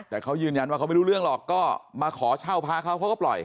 แต่เขายืนยันว่าเขาไม่รู้เรื่องหรอกก็มาขอเช่าพระเขาเขาก็ปล่อย